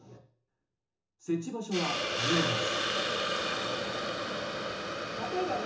設置場所は多様です。